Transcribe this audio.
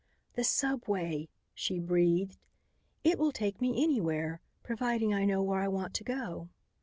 "The subway," she breathed. "It will take me anywhere, providing I know where I want to go."